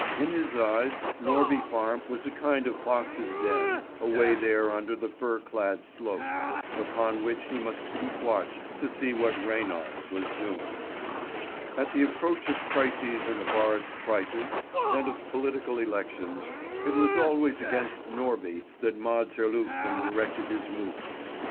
In his eyes Norby Farm was a kind of fox's den away there under the fir clad slope, upon which he must keep watch to see what Reynard was doing. At the approach of crises in forest prices, and of political elections, it was always against Norby that Mads Herlufsen directed his moves.